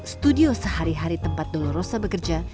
studio sehari hari tempat dolorosa bekerja